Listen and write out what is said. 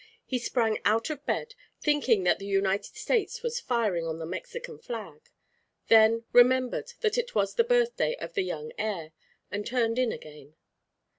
He sprang out of bed, thinking that the United States was firing on the Mexican flag, then remembered that it was the birthday of the young heir, and turned in again.